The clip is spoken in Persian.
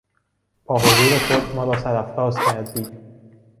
با حضور خود ما را سرافراز کردید.